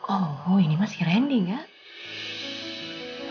oh ini masih randy nggak